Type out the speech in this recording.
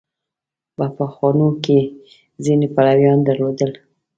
په پخوانو کې ځینې پلویان درلودل.